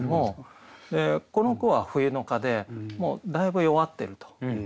この句は「冬の蚊」でもうだいぶ弱ってると。